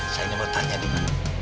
saya mau bertanya dok